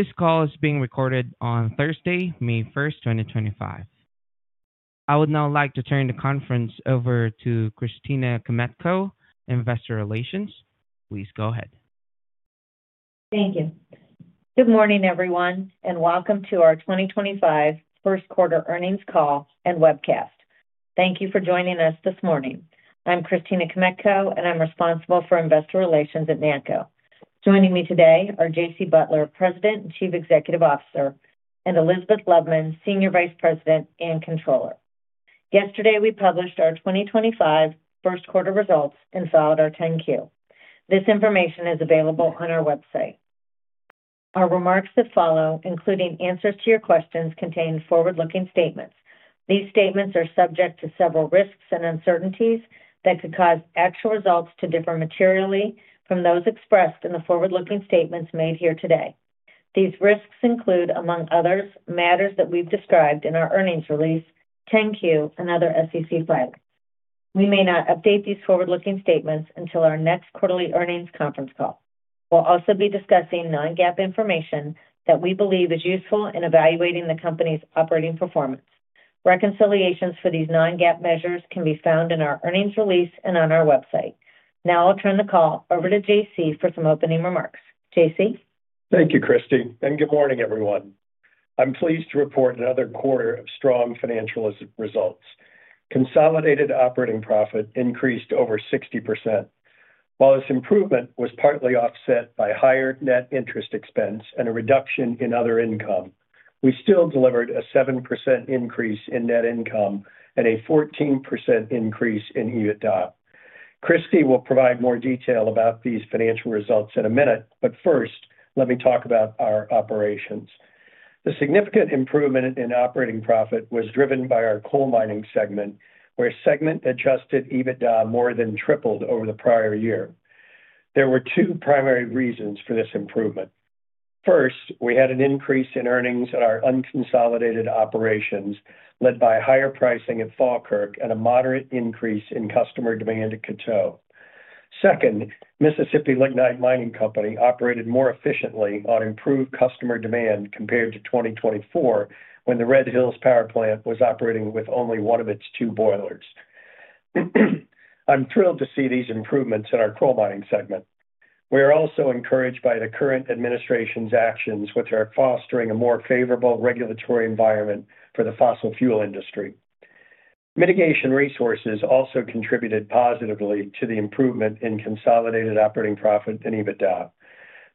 This call is being recorded on Thursday, May 1, 2025. I would now like to turn the conference over to Christina Kmetko, Investor Relations. Please go ahead. Thank you. Good morning, everyone, and welcome to our 2025 Q1 Earnings Call and Webcast. Thank you for joining us this morning. I'm Christina Kmetko, and I'm responsible for Investor Relations at NACCO. Joining me today are J.C. Butler, President and Chief Executive Officer, and Elizabeth Loveman, Senior Vice President and Controller. Yesterday, we published our 2025 Q1 results and filed our 10-Q. This information is available on our website. Our remarks that follow, including answers to your questions, contain forward-looking statements. These statements are subject to several risks and uncertainties that could cause actual results to differ materially from those expressed in the forward-looking statements made here today. These risks include, among others, matters that we've described in our earnings release, 10-Q, and other SEC filings. We may not update these forward-looking statements until our next quarterly earnings conference call. We'll also be discussing non-GAAP information that we believe is useful in evaluating the company's operating performance. Reconciliations for these non-GAAP measures can be found in our earnings release and on our website. Now I'll turn the call over to J.C. for some opening remarks. J.C. Thank you, Christy, and good morning, everyone. I'm pleased to report another quarter of strong financial results. Consolidated operating profit increased over 60%. While this improvement was partly offset by higher net interest expense and a reduction in other income, we still delivered a 7% increase in net income and a 14% increase in EBITDA. Christy will provide more detail about these financial results in a minute, but first, let me talk about our operations. The significant improvement in operating profit was driven by our Coal Mining segment, where segment-adjusted EBITDA more than tripled over the prior year. There were two primary reasons for this improvement. First, we had an increase in earnings at our unconsolidated operations led by higher pricing at Falkirk and a moderate increase in customer demand at Coteau. Second, Mississippi Lignite Mining Company operated more efficiently on improved customer demand compared to 2024 when the Red Hills Power Plant was operating with only one of its two boilers. I'm thrilled to see these improvements in our Coal Mining segment. We are also encouraged by the current administration's actions, which are fostering a more favorable regulatory environment for the fossil fuel industry. Mitigation Resources also contributed positively to the improvement in consolidated operating profit and EBITDA.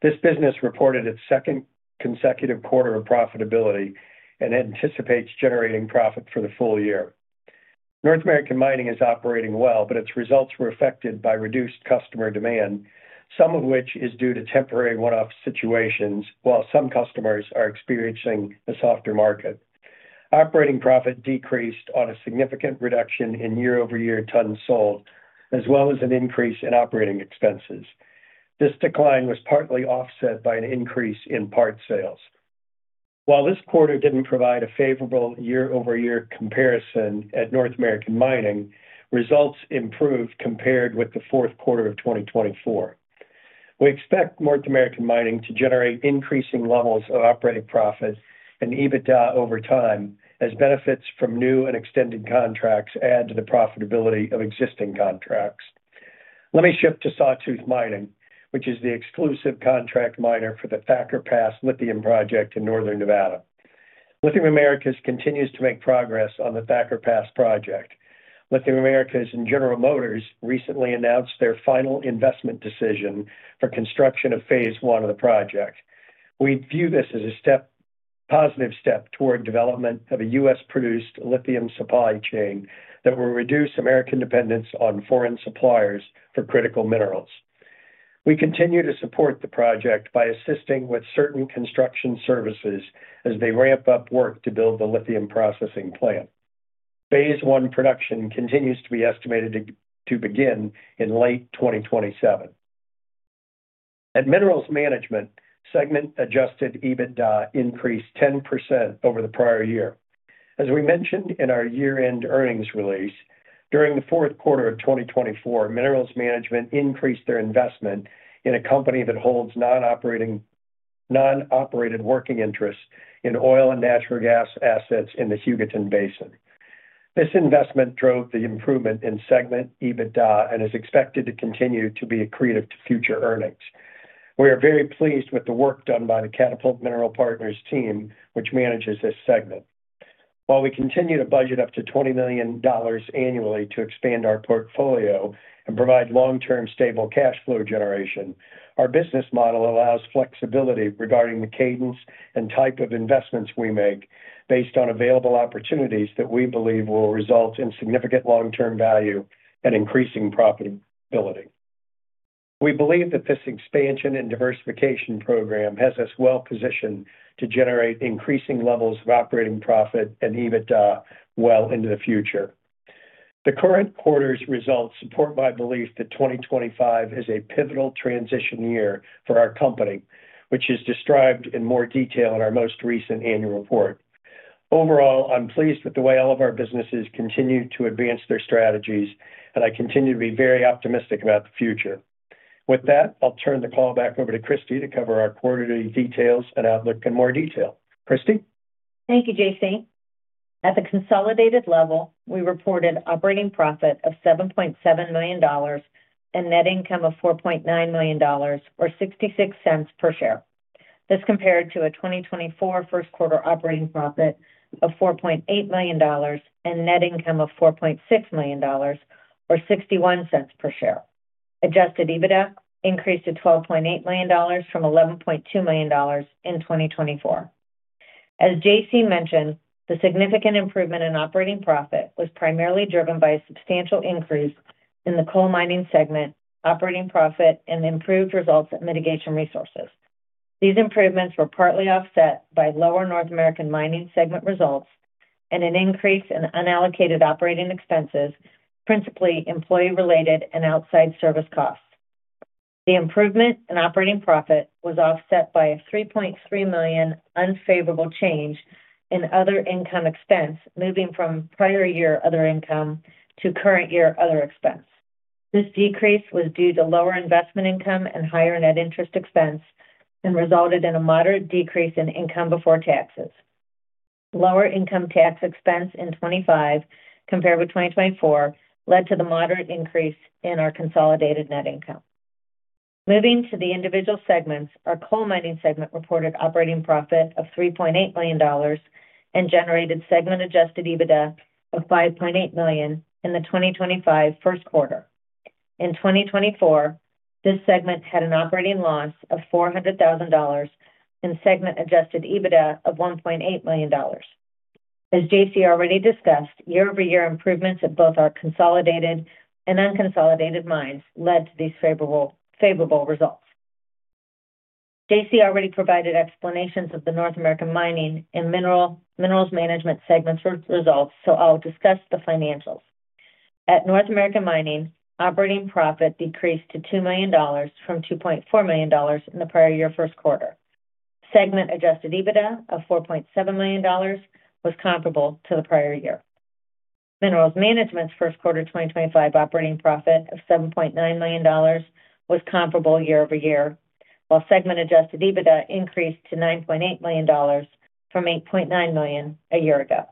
This business reported its second consecutive quarter of profitability and anticipates generating profit for the full year. North American Mining is operating well, but its results were affected by reduced customer demand, some of which is due to temporary one-off situations, while some customers are experiencing a softer market. Operating profit decreased on a significant reduction in year-over-year tons sold, as well as an increase in operating expenses. This decline was partly offset by an increase in part sales. While this quarter did not provide a favorable year-over-year comparison at North American Mining, results improved compared with the Q4 of 2024. We expect North American Mining to generate increasing levels of operating profit and EBITDA over time as benefits from new and extended contracts add to the profitability of existing contracts. Let me shift to Sawtooth Mining, which is the exclusive contract miner for the Thacker Pass lithium project in northern Nevada. Lithium Americas continues to make progress on the Thacker Pass project. Lithium Americas and General Motors recently announced their final investment decision for construction of Phase I of the project. We view this as a positive step toward development of a US produced lithium supply chain that will reduce American dependence on foreign suppliers for critical minerals. We continue to support the project by assisting with certain construction services as they ramp up work to build the lithium processing plant. Phase I production continues to be estimated to begin in late 2027. At Minerals Management, segment-adjusted EBITDA increased 10% over the prior year. As we mentioned in our year-end earnings release, during the Q4 of 2024, Minerals Management increased their investment in a company that holds non-operated working interests in oil and natural gas assets in the Hugoton Basin. This investment drove the improvement in segment EBITDA and is expected to continue to be accretive to future earnings. We are very pleased with the work done by the Catapult Mineral Partners team, which manages this segment. While we continue to budget up to $20 million annually to expand our portfolio and provide long-term stable cash flow generation, our business model allows flexibility regarding the cadence and type of investments we make based on available opportunities that we believe will result in significant long-term value and increasing profitability. We believe that this expansion and diversification program has us well positioned to generate increasing levels of operating profit and EBITDA well into the future. The current quarter's results support my belief that 2025 is a pivotal transition year for our company, which is described in more detail in our most recent annual report. Overall, I'm pleased with the way all of our businesses continue to advance their strategies, and I continue to be very optimistic about the future. With that, I'll turn the call back over to Christy to cover our quarterly details and outlook in more detail. Christy? Thank you, J.C. At the consolidated level, we reported operating profit of $7.7 million and net income of $4.9 million, or $0.66 per share. This compared to a 2024 Q1 operating profit of $4.8 million and net income of $4.6 million, or $0.61 per share. Adjusted EBITDA increased to $12.8 million from $11.2 million in 2024. As J.C. mentioned, the significant improvement in operating profit was primarily driven by a substantial increase in the Coal Mining segment, operating profit, and improved results at Mitigation Resources. These improvements were partly offset by lower North American Mining segment results and an increase in unallocated operating expenses, principally employee-related and outside service costs. The improvement in operating profit was offset by a $3.3 million unfavorable change in other income expense moving from prior year other income to current year other expense. This decrease was due to lower investment income and higher net interest expense and resulted in a moderate decrease in income before taxes. Lower income tax expense in 2025 compared with 2024 led to the moderate increase in our consolidated net income. Moving to the individual segments, our Coal Mining segment reported operating profit of $3.8 million and generated segment-adjusted EBITDA of $5.8 million in the 2025 Q1. In 2024, this segment had an operating loss of $400,000 and segment-adjusted EBITDA of $1.8 million. As J.C. already discussed, year-over-year improvements at both our consolidated and unconsolidated mines led to these favorable results. J.C. already provided explanations of the North American Mining and Minerals Management segments results, so I'll discuss the financials. At North American Mining, operating profit decreased to $2 million from $2.4 million in the prior year Q1. Segment-adjusted EBITDA of $4.7 million was comparable to the prior year. Minerals Management's Q1 2025 operating profit of $7.9 million was comparable year-over-year, while segment-adjusted EBITDA increased to $9.8 million from $8.9 million a year ago.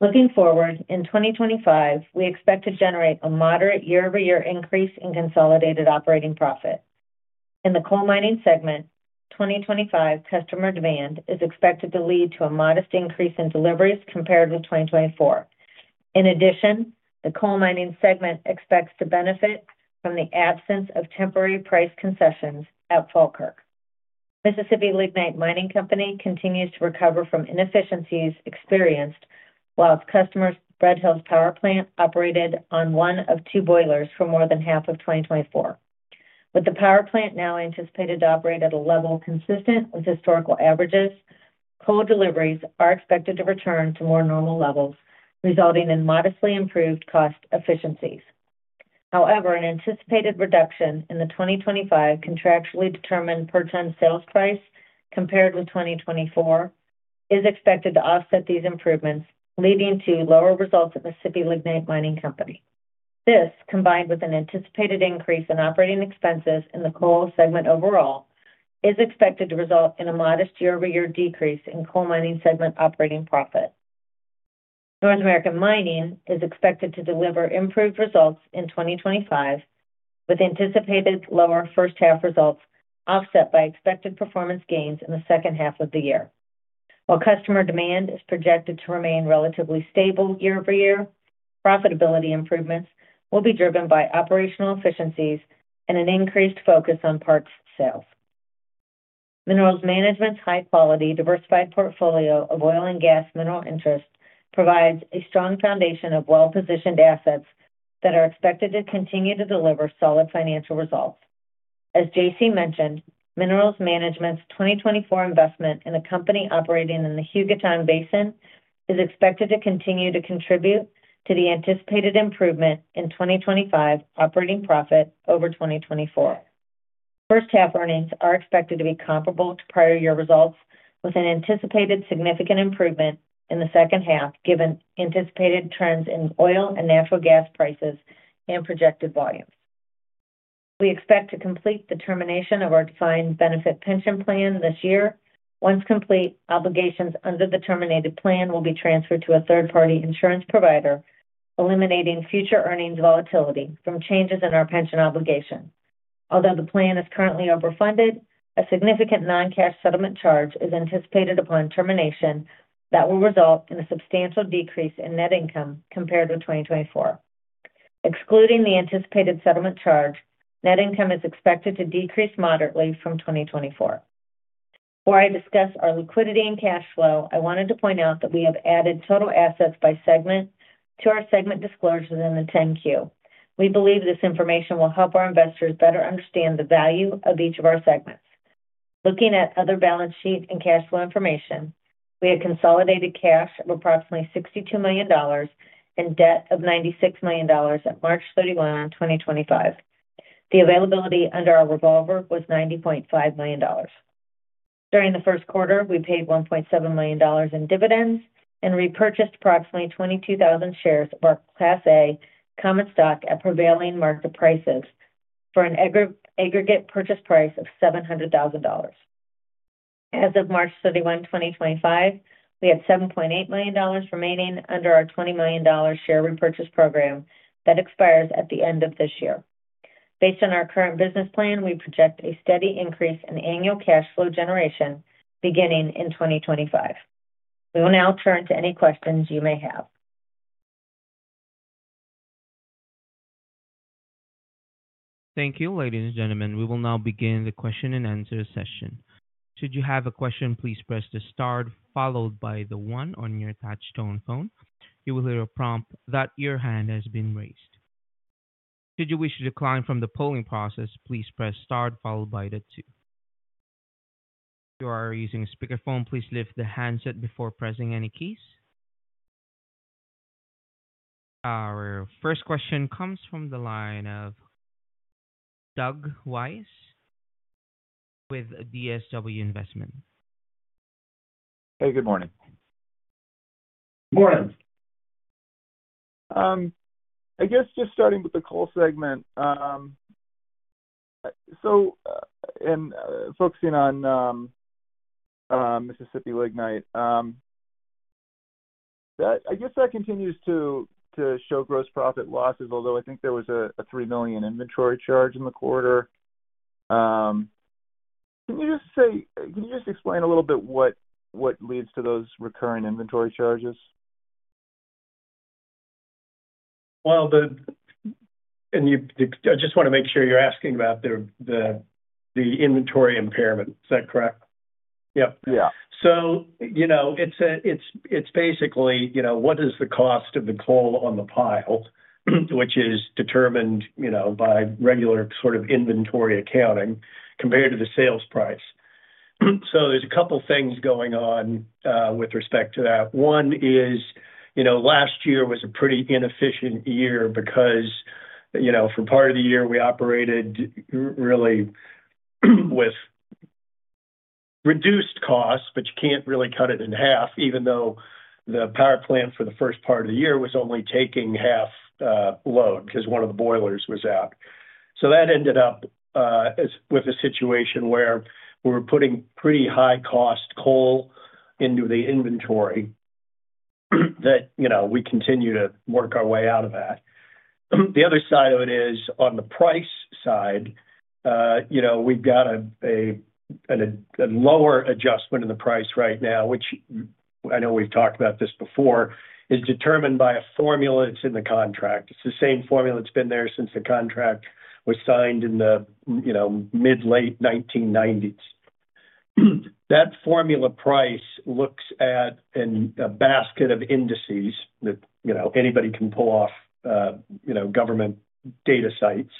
Looking forward, in 2025, we expect to generate a moderate year-over-year increase in consolidated operating profit. In the Coal Mining segment, 2025 customer demand is expected to lead to a modest increase in deliveries compared with 2024. In addition, the Coal Mining segment expects to benefit from the absence of temporary price concessions at Falkirk. Mississippi Lignite Mining Company continues to recover from inefficiencies experienced while its customers, Red Hills Power Plant, operated on one of two boilers for more than half of 2024. With the power plant now anticipated to operate at a level consistent with historical averages, coal deliveries are expected to return to more normal levels, resulting in modestly improved cost efficiencies. However, an anticipated reduction in the 2025 contractually determined per ton sales price compared with 2024 is expected to offset these improvements, leading to lower results at Mississippi Lignite Mining Company. This, combined with an anticipated increase in operating expenses in the coal segment overall, is expected to result in a modest year-over-year decrease in Coal Mining segment operating profit. North American Mining is expected to deliver improved results in 2025, with anticipated lower first-half results offset by expected performance gains in the second half of the year. While customer demand is projected to remain relatively stable year-over-year, profitability improvements will be driven by operational efficiencies and an increased focus on parts sales. Minerals Management's high-quality, diversified portfolio of oil and gas mineral interests provides a strong foundation of well-positioned assets that are expected to continue to deliver solid financial results. As J.C. mentioned, Minerals Management's 2024 investment in a company operating in the Hugoton Basin is expected to continue to contribute to the anticipated improvement in 2025 operating profit over 2024 first half earnings are expected to be comparable to prior year results, with an anticipated significant improvement in the second half given anticipated trends in oil and natural gas prices and projected volumes. We expect to complete the termination of our defined benefit pension plan this year. Once complete, obligations under the terminated plan will be transferred to a third-party insurance provider, eliminating future earnings volatility from changes in our pension obligation. Although the plan is currently overfunded, a significant non-cash settlement charge is anticipated upon termination that will result in a substantial decrease in net income compared with 2024. Excluding the anticipated settlement charge, net income is expected to decrease moderately from 2024. Before I discuss our liquidity and cash flow, I wanted to point out that we have added total assets by segment to our segment disclosures in the 10-Q. We believe this information will help our investors better understand the value of each of our segments. Looking at other balance sheet and cash flow information, we had consolidated cash of approximately $62 million and debt of $96 million at March 31, 2025. The availability under our revolver was $90.5 million. During the Q1, we paid $1.7 million in dividends and repurchased approximately 22,000 shares of our Class A common stock at prevailing market prices for an aggregate purchase price of $700,000. As of March 31, 2025, we had $7.8 million remaining under our $20 million share repurchase program that expires at the end of this year. Based on our current business plan, we project a steady increase in annual cash flow generation beginning in 2025. We will now turn to any questions you may have. Thank you, ladies and gentlemen. We will now begin the question and answer session. Should you have a question, please press the star, followed by the one on your touch-tone phone. You will hear a prompt that your hand has been raised. Should you wish to decline from the polling process, please press star, followed by the two. If you are using a speakerphone, please lift the handset before pressing any keys. Our first question comes from the line of Doug Weiss with DSW Investments. Hey, good morning. Good morning. I guess just starting with the coal segment, and focusing on Mississippi Lignite, I guess that continues to show gross profit losses, although I think there was a $3 million inventory charge in the quarter. Can you just say, can you just explain a little bit what leads to those recurring inventory charges? I just want to make sure you're asking about the inventory impairment. Is that correct? Yep. Yeah. It's basically, what is the cost of the coal on the pile, which is determined by regular sort of inventory accounting compared to the sales price. There's a couple of things going on with respect to that. One is last year was a pretty inefficient year because for part of the year we operated really with reduced costs, but you can't really cut it in half, even though the power plant for the first part of the year was only taking half load because one of the boilers was out. That ended up with a situation where we were putting pretty high-cost coal into the inventory that we continue to work our way out of. The other side of it is on the price side, we've got a lower adjustment in the price right now, which I know we've talked about this before, is determined by a formula that's in the contract. It's the same formula that's been there since the contract was signed in the mid-late 1990s. That formula price looks at a basket of indices that anybody can pull off government data sites,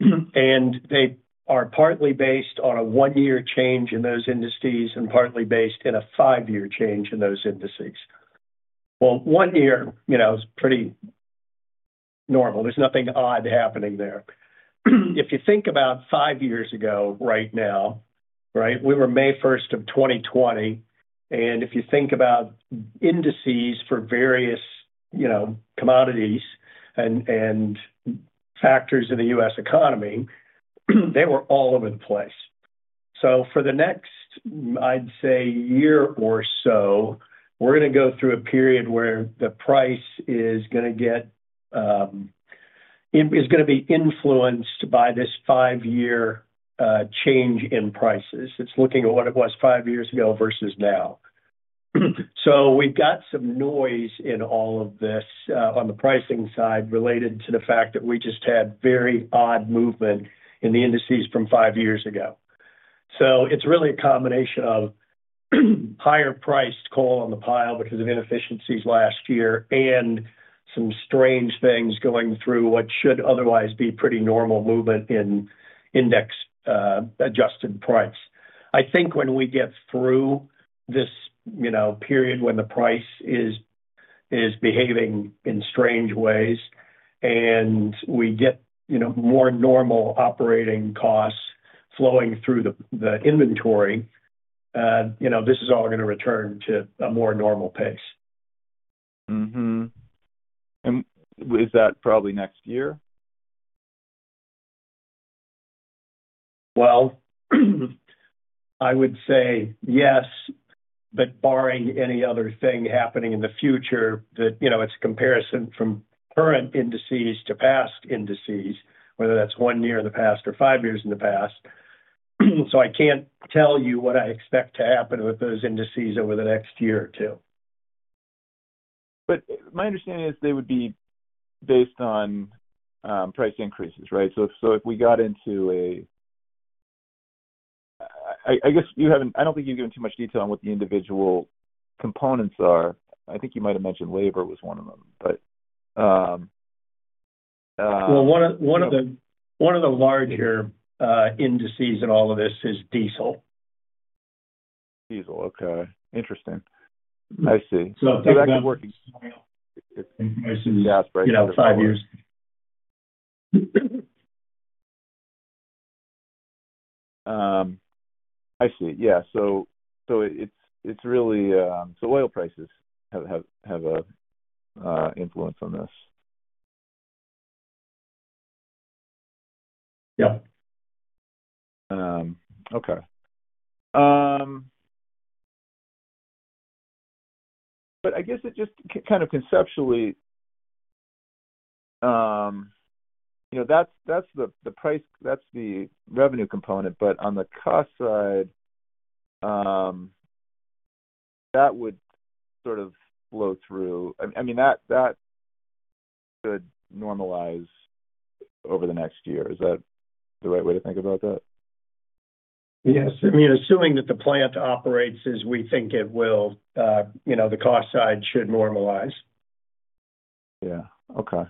and they are partly based on a one-year change in those indices and partly based in a five-year change in those indices. One year is pretty normal. There's nothing odd happening there. If you think about five years ago right now, right, we were May 1st of 2020, and if you think about indices for various commodities and factors in the US economy, they were all over the place. For the next, I'd say, year or so, we're going to go through a period where the price is going to be influenced by this five-year change in prices. It's looking at what it was five years ago versus now. We've got some noise in all of this on the pricing side related to the fact that we just had very odd movement in the indices from five years ago. It's really a combination of higher-priced coal on the pile because of inefficiencies last year and some strange things going through what should otherwise be pretty normal movement in index-adjusted price. I think when we get through this period when the price is behaving in strange ways and we get more normal operating costs flowing through the inventory, this is all going to return to a more normal pace. Is that probably next year? I would say yes, but barring any other thing happening in the future, it's a comparison from current indices to past indices, whether that's one year in the past or five years in the past. I can't tell you what I expect to happen with those indices over the next year or two. My understanding is they would be based on price increases, right? If we got into a, I guess you haven't, I don't think you've given too much detail on what the individual components are. I think you might have mentioned labor was one of them, but. One of the larger indices in all of this is diesel. Diesel. Okay. Interesting. I see. That's working in prices in the last five years. I see. Yeah. It is really, so oil prices have an influence on this. Yep. Okay. I guess it just kind of conceptually, that's the revenue component, but on the cost side, that would sort of flow through. I mean, that could normalize over the next year. Is that the right way to think about that? Yes. I mean, assuming that the plant operates as we think it will, the cost side should normalize. Yeah. Okay.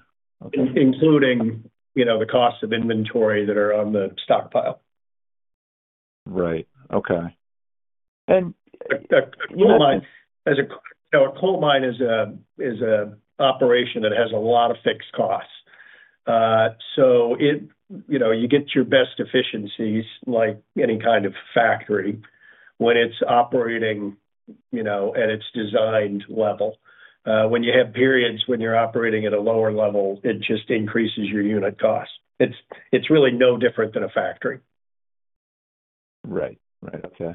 Including the cost of inventory that are on the stockpile. Right. Okay. A coal mine is an operation that has a lot of fixed costs. You get your best efficiencies like any kind of factory when it's operating at its designed level. When you have periods when you're operating at a lower level, it just increases your unit cost. It's really no different than a factory. Right. Right. Okay.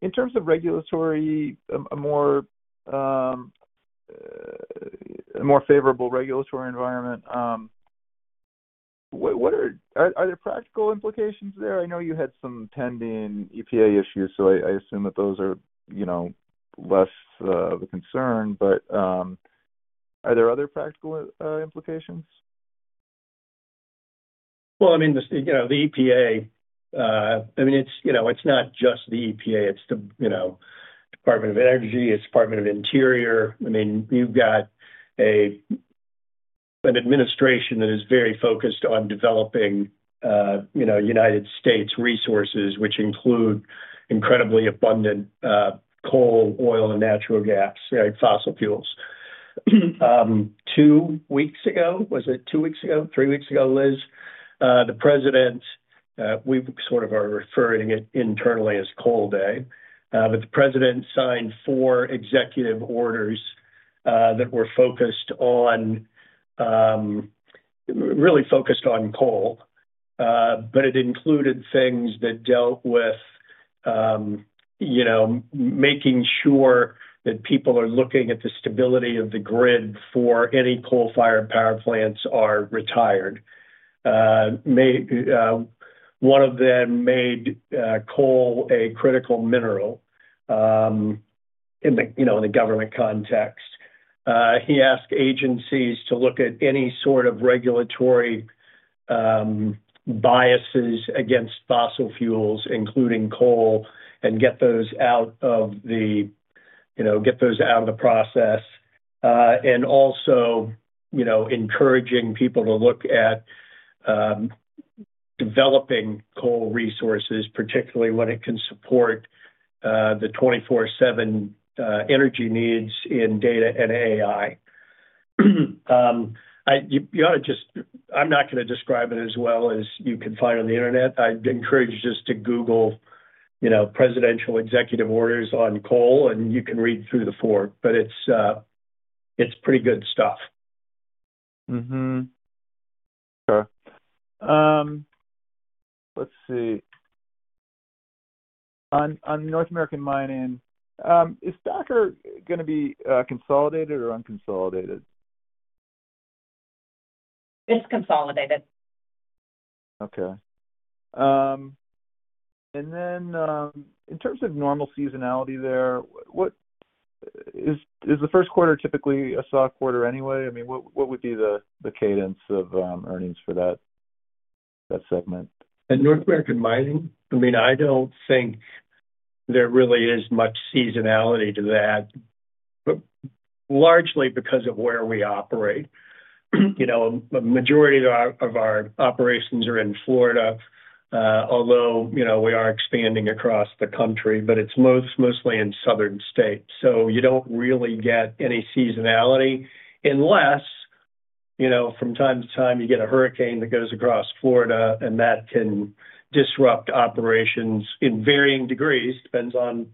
In terms of regulatory, a more favorable regulatory environment, are there practical implications there? I know you had some pending EPA issues, so I assume that those are less of a concern, but are there other practical implications? I mean, the EPA, I mean, it's not just the EPA. It's the Department of Energy. It's the Department of Interior. I mean, you've got an administration that is very focused on developing United States resources, which include incredibly abundant coal, oil, and natural gas, fossil fuels. Two weeks ago, was it two weeks ago, three weeks ago, Liz, the president, we sort of are referring to it internally as Coal Day, but the president signed four executive orders that were focused on really focused on coal, but it included things that dealt with making sure that people are looking at the stability of the grid before any coal-fired power plants are retired. One of them made coal a critical mineral in the government context. He asked agencies to look at any sort of regulatory biases against fossil fuels, including coal, and get those out of the process, and also encouraging people to look at developing coal resources, particularly when it can support the 24/7 energy needs in data and AI. You ought to just, I'm not going to describe it as well as you can find on the internet. I'd encourage you just to Google presidential executive orders on coal, and you can read through the four, but it's pretty good stuff. Okay. Let's see. On North American Mining, is Thacker going to be consolidated or unconsolidated? It's consolidated. Okay. In terms of normal seasonality there, is the Q1 typically a soft quarter anyway? I mean, what would be the cadence of earnings for that segment? In North American Mining, I mean, I don't think there really is much seasonality to that, but largely because of where we operate. A majority of our operations are in Florida, although we are expanding across the country, but it's mostly in southern states. You don't really get any seasonality unless from time to time you get a hurricane that goes across Florida, and that can disrupt operations in varying degrees. Depends on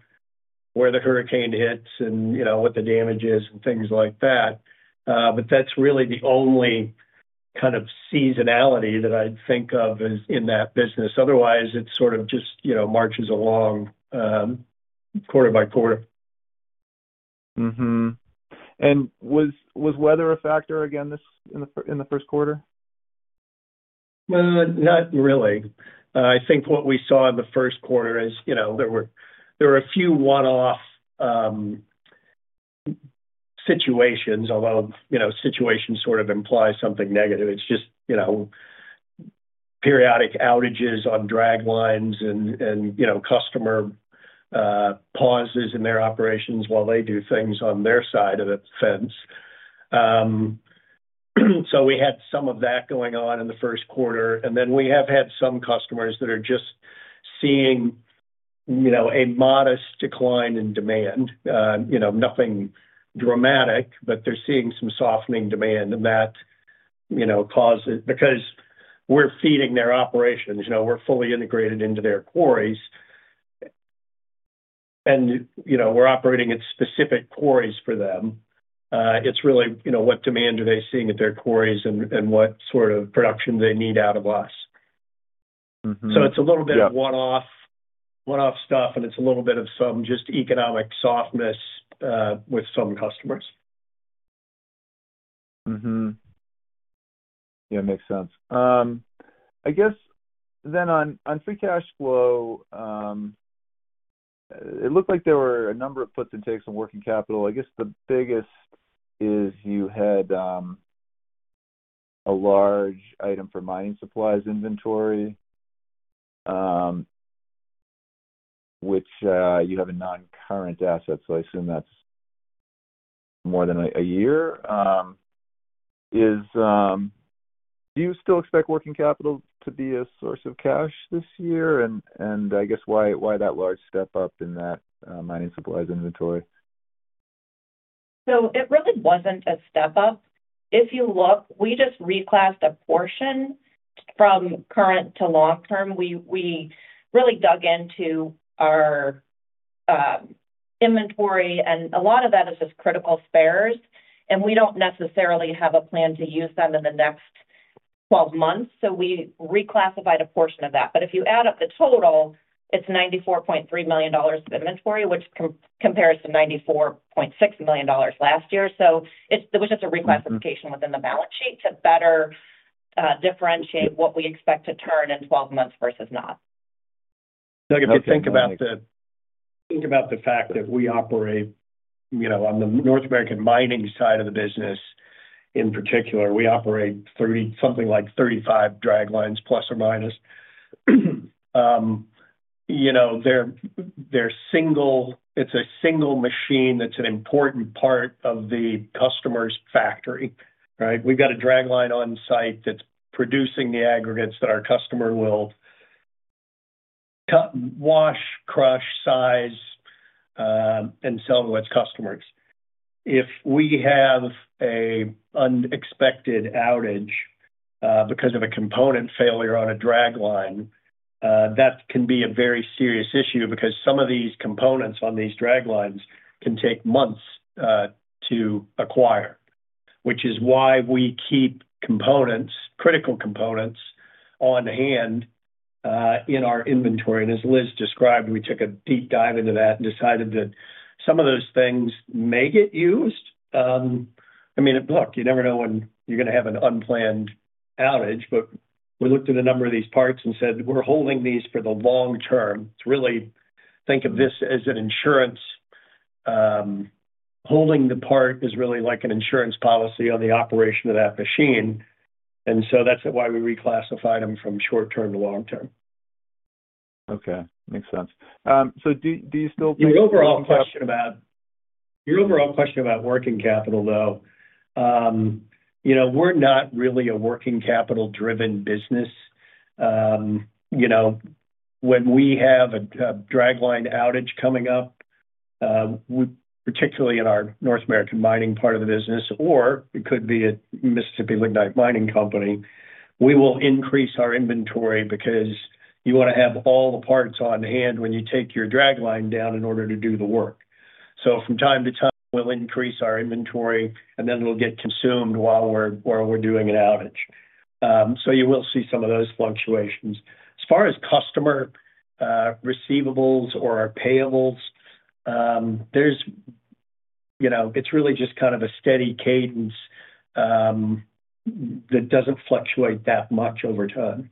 where the hurricane hits and what the damage is and things like that. That's really the only kind of seasonality that I'd think of is in that business. Otherwise, it sort of just marches along quarter-by-quarter. Was weather a factor again in the Q1? Not really. I think what we saw in the Q1 is there were a few one-off situations, although situations sort of imply something negative. It's just periodic outages on draglines and customer pauses in their operations while they do things on their side of the fence. We had some of that going on in the Q1, and then we have had some customers that are just seeing a modest decline in demand. Nothing dramatic, but they're seeing some softening demand, and that causes because we're feeding their operations. We're fully integrated into their quarries, and we're operating at specific quarries for them. It's really what demand are they seeing at their quarries and what sort of production they need out of us. It's a little bit of one-off stuff, and it's a little bit of some just economic softness with some customers. Yeah. Makes sense. I guess then on free cash flow, it looked like there were a number of puts and takes on working capital. I guess the biggest is you had a large item for mining supplies inventory, which you have a non-current asset, so I assume that's more than a year. Do you still expect working capital to be a source of cash this year? I guess why that large step up in that mining supplies inventory? It really wasn't a step up. If you look, we just reclassed a portion from current to long-term. We really dug into our inventory, and a lot of that is just critical spares, and we don't necessarily have a plan to use them in the next 12 months. We reclassified a portion of that. If you add up the total, it's $94.3 million of inventory, which compares to $94.6 million last year. It was just a reclassification within the balance sheet to better differentiate what we expect to turn in 12 months versus not. Doug, if you think about the. Think about the fact that we operate on the North American Mining side of the business in particular, we operate something like 35 draglines, plus or minus. It's a single machine that's an important part of the customer's factory, right? We've got a dragline on site that's producing the aggregates that our customer will wash, crush, size, and sell to its customers. If we have an unexpected outage because of a component failure on a dragline, that can be a very serious issue because some of these components on these draglines can take months to acquire, which is why we keep critical components on hand in our inventory. As Liz described, we took a deep dive into that and decided that some of those things may get used. I mean, look, you never know when you're going to have an unplanned outage, but we looked at a number of these parts and said, "We're holding these for the long term." Really think of this as an insurance. Holding the part is really like an insurance policy on the operation of that machine. That is why we reclassified them from short-term to long-term. Okay. Makes sense. Do you still think. Your overall question about working capital, though, we're not really a working capital-driven business. When we have a dragline outage coming up, particularly in our North American Mining part of the business, or it could be at Mississippi Lignite Mining Company, we will increase our inventory because you want to have all the parts on hand when you take your dragline down in order to do the work. From time to time, we'll increase our inventory, and then it'll get consumed while we're doing an outage. You will see some of those fluctuations. As far as customer receivables or payables, it's really just kind of a steady cadence that doesn't fluctuate that much over time.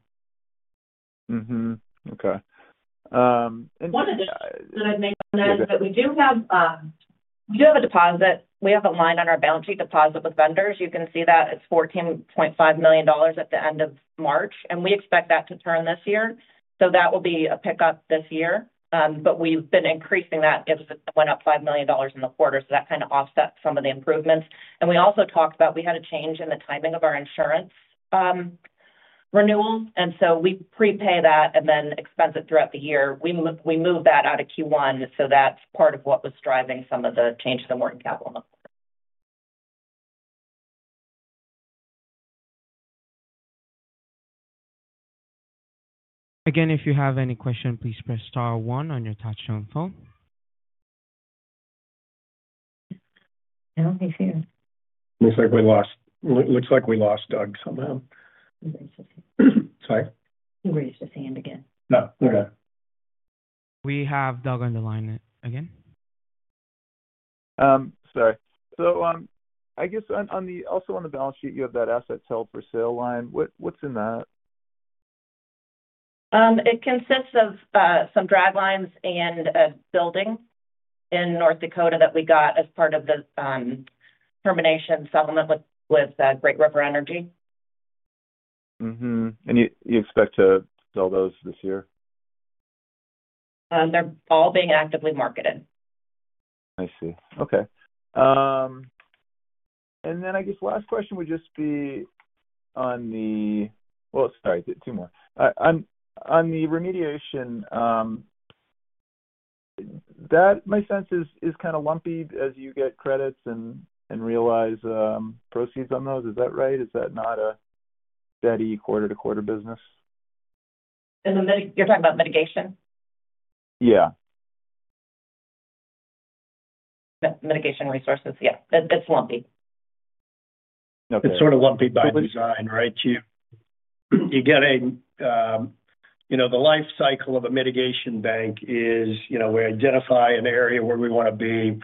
Okay. And. One addition that I'd make on that is that we do have a deposit. We have a line on our balance sheet deposit with vendors. You can see that it's $14.5 million at the end of March, and we expect that to turn this year. That will be a pickup this year, but we've been increasing that. It went up $5 million in the quarter, so that kind of offsets some of the improvements. We also talked about we had a change in the timing of our insurance renewals, and we prepay that and then expense it throughout the year. We moved that out of Q1, so that's part of what was driving some of the change in the working capital in the quarter. Again, if you have any questions, please press star one on your touch-tone phone. No, he's here. Looks like we lost Doug somehow. He raised his hand. Sorry? He raised his hand again. Oh, okay. We have Doug on the line again. Sorry. I guess also on the balance sheet, you have that asset sale for sale line. What's in that? It consists of some draglines and a building in North Dakota that we got as part of the termination settlement with Great River Energy. You expect to sell those this year? They're all being actively marketed. I see. Okay. I guess last question would just be on the—sorry, two more. On the remediation, my sense is kind of lumpy as you get credits and realize proceeds on those. Is that right? Is that not a steady quarter-to-quarter business? You're talking about mitigation? Yeah. Mitigation Resources, yeah. It's lumpy. Okay. It's sort of lumpy by design, right? You get a—the life cycle of a mitigation bank is we identify an area where we want to be.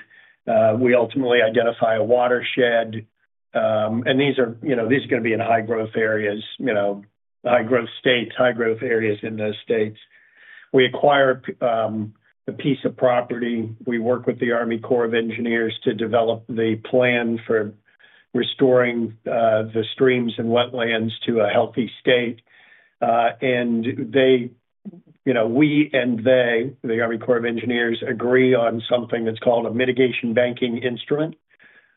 We ultimately identify a watershed, and these are going to be in high-growth areas, high-growth states, high-growth areas in those states. We acquire a piece of property. We work with the Army Corps of Engineers to develop the plan for restoring the streams and wetlands to a healthy state. We and they, the Army Corps of Engineers, agree on something that's called a mitigation banking instrument.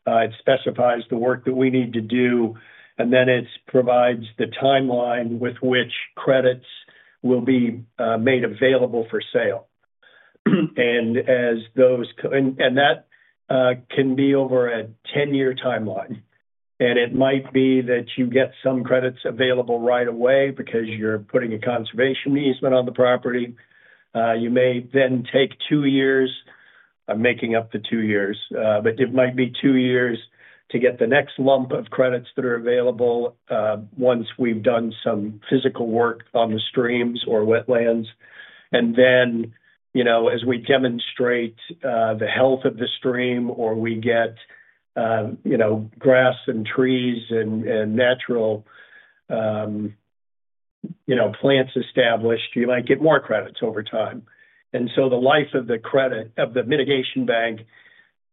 It specifies the work that we need to do, and it provides the timeline with which credits will be made available for sale. That can be over a 10-year timeline. It might be that you get some credits available right away because you're putting a conservation easement on the property. You may then take two years—I'm making up the two years—but it might be two years to get the next lump of credits that are available once we've done some physical work on the streams or wetlands. As we demonstrate the health of the stream or we get grass and trees and natural plants established, you might get more credits over time. The life of the credit of the mitigation bank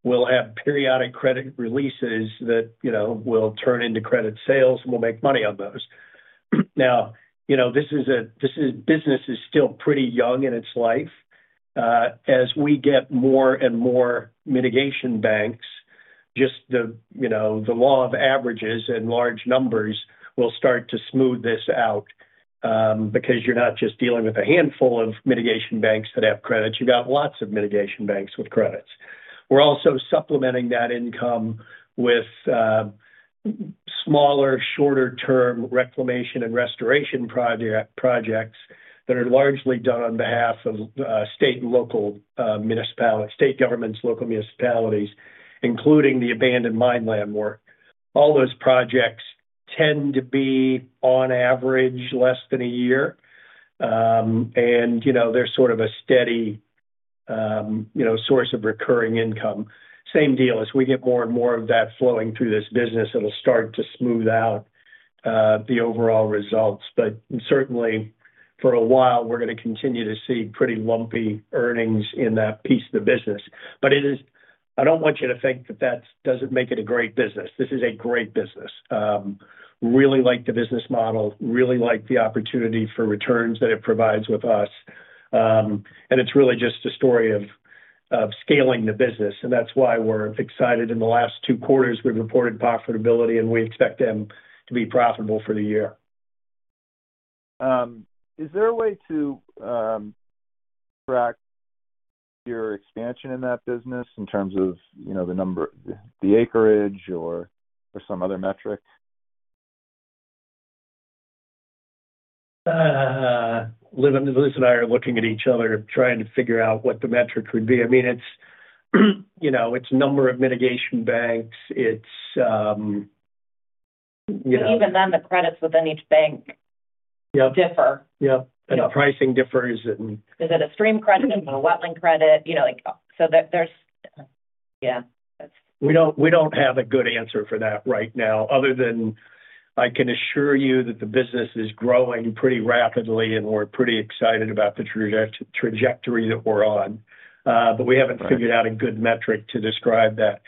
will have periodic credit releases that will turn into credit sales, and we'll make money on those. This is a business that is still pretty young in its life. As we get more and more mitigation banks, just the law of averages and large numbers will start to smooth this out because you're not just dealing with a handful of mitigation banks that have credits. You've got lots of mitigation banks with credits. We're also supplementing that income with smaller, shorter-term reclamation and restoration projects that are largely done on behalf of state governments, local municipalities, including the Abandoned Mine Land work. All those projects tend to be, on average, less than a year, and they're sort of a steady source of recurring income. Same deal. As we get more and more of that flowing through this business, it'll start to smooth out the overall results. Certainly, for a while, we're going to continue to see pretty lumpy earnings in that piece of the business. I don't want you to think that that doesn't make it a great business. This is a great business. Really like the business model, really like the opportunity for returns that it provides with us. It's really just a story of scaling the business, and that's why we're excited. In the last two quarters, we've reported profitability, and we expect them to be profitable for the year. Is there a way to track your expansion in that business in terms of the number, the acreage, or some other metric? Liz and I are looking at each other, trying to figure out what the metric would be. I mean, it's number of mitigation banks. Even then, the credits within each bank differ. Yeah. The pricing differs in. Is it a stream credit? Is it a wetland credit? Yeah, that's. We don't have a good answer for that right now, other than I can assure you that the business is growing pretty rapidly, and we're pretty excited about the trajectory that we're on. We haven't figured out a good metric to describe that.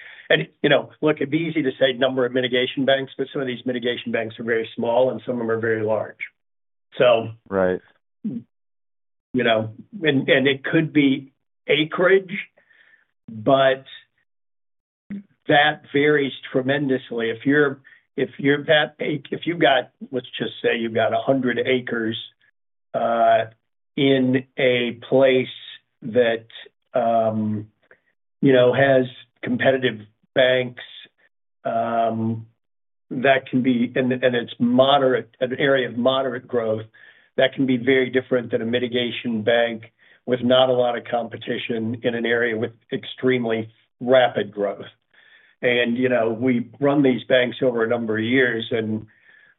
Look, it'd be easy to say number of mitigation banks, but some of these mitigation banks are very small, and some of them are very large. Right. It could be acreage, but that varies tremendously. If you've got—let's just say you've got 100 acres in a place that has competitive banks that can be—and it's an area of moderate growth—that can be very different than a mitigation bank with not a lot of competition in an area with extremely rapid growth. We run these banks over a number of years, and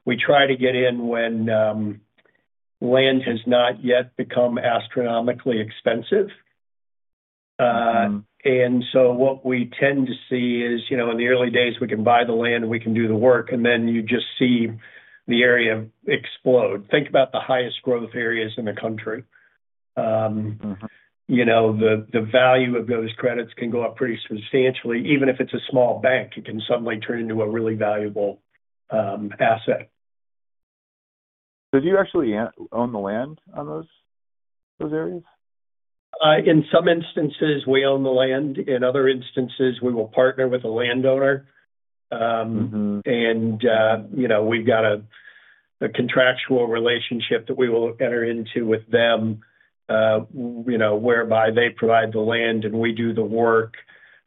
we try to get in when land has not yet become astronomically expensive. What we tend to see is, in the early days, we can buy the land, and we can do the work, and then you just see the area explode. Think about the highest growth areas in the country. The value of those credits can go up pretty substantially. Even if it's a small bank, it can suddenly turn into a really valuable asset. Do you actually own the land on those areas? In some instances, we own the land. In other instances, we will partner with a landowner. We have a contractual relationship that we will enter into with them whereby they provide the land, and we do the work.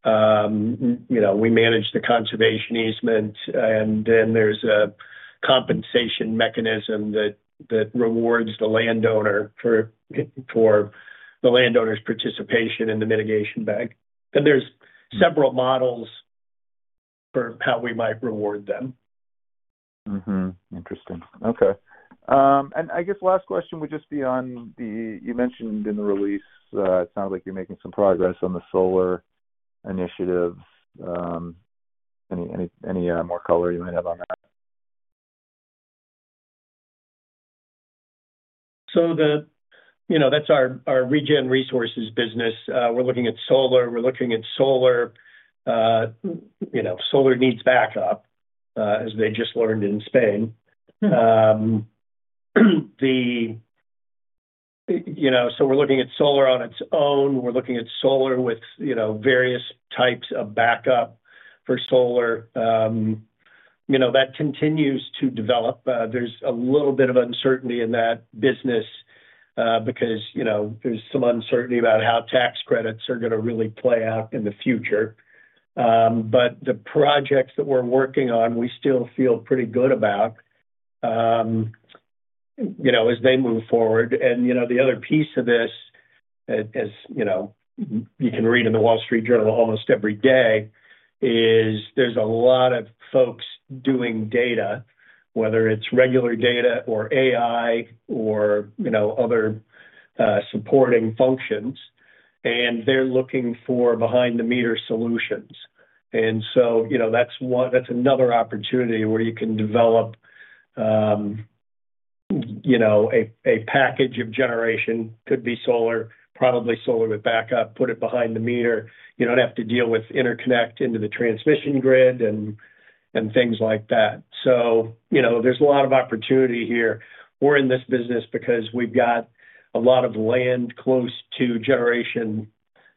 We manage the conservation easement, and then there is a compensation mechanism that rewards the landowner for the landowner's participation in the mitigation bank. There are several models for how we might reward them. Interesting. Okay. I guess last question would just be on the—you mentioned in the release, it sounds like you're making some progress on the solar initiatives. Any more color you might have on that? That's our ReGen Resources business. We're looking at solar. We're looking at solar. Solar needs backup, as they just learned in Spain. We're looking at solar on its own. We're looking at solar with various types of backup for solar. That continues to develop. There's a little bit of uncertainty in that business because there's some uncertainty about how tax credits are going to really play out in the future. The projects that we're working on, we still feel pretty good about as they move forward. The other piece of this, as you can read in the Wall Street Journal almost every day, is there's a lot of folks doing data, whether it's regular data or AI or other supporting functions, and they're looking for behind-the-meter solutions. That's another opportunity where you can develop a package of generation, could be solar, probably solar with backup, put it behind the meter. You don't have to deal with interconnect into the transmission grid and things like that. There is a lot of opportunity here. We're in this business because we've got a lot of land close to generation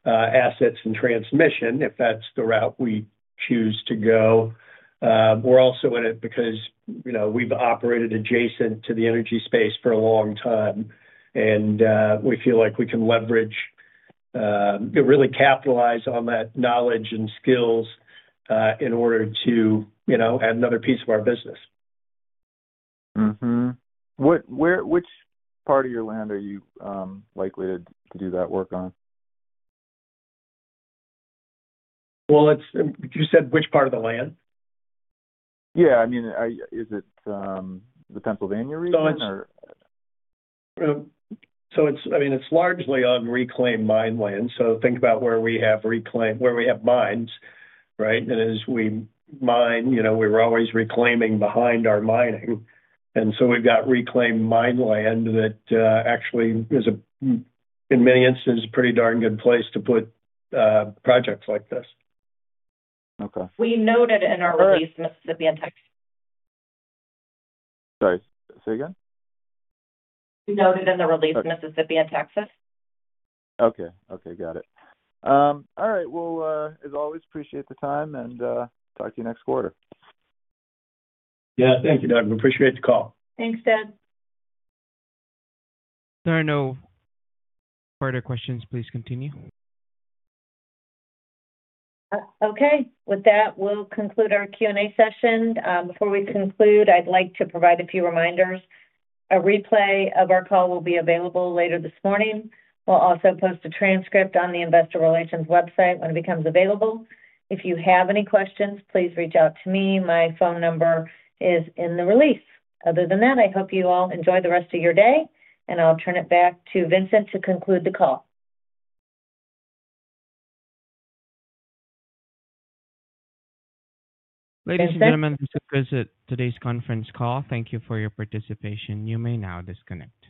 assets and transmission, if that's the route we choose to go. We're also in it because we've operated adjacent to the energy space for a long time, and we feel like we can leverage and really capitalize on that knowledge and skills in order to add another piece of our business. Which part of your land are you likely to do that work on? You said which part of the land? Yeah. I mean, is it the Pennsylvania region or? I mean, it's largely on reclaimed mine land. So think about where we have mines, right? And as we mine, we were always reclaiming behind our mining. And so we've got reclaimed mine land that actually is, in many instances, a pretty darn good place to put projects like this. We noted in our release in Mississippi and Texas. Sorry. Say again? We noted in the release in Mississippi and Texas. Okay. Okay. Got it. All right. As always, appreciate the time, and talk to you next quarter. Yeah. Thank you, Doug. Appreciate the call. Thanks, Doug. If there are no further questions, please continue. Okay. With that, we'll conclude our Q&A session. Before we conclude, I'd like to provide a few reminders. A replay of our call will be available later this morning. We'll also post a transcript on the Investor Relations website when it becomes available. If you have any questions, please reach out to me. My phone number is in the release. Other than that, I hope you all enjoy the rest of your day, and I'll turn it back to Vincent to conclude the call. Ladies and gentlemen, this concludes today's conference call. Thank you for your participation. You may now disconnect.